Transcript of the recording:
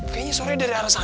kayaknya sore dari arah sana